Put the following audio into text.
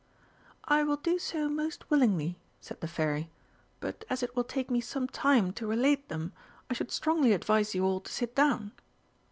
"I will do so most willingly," said the Fairy. "But as it will take me some time to relate them, I should strongly advise you all to sit down."